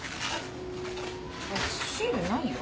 これシールないよ。